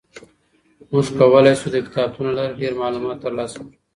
موږ کولای شو د کتابتون له لاري ډېر معلومات ترلاسه کړو.